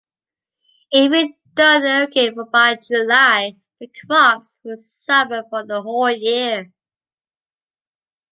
If you don’t irrigate by July, the crops will suffer for the whole year.